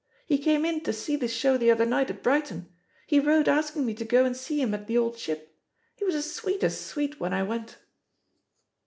He came in to see the show the other night at Brighton; he wrote asking me to go and see him at the Old Ship ; he was as sweet as sweet when I went."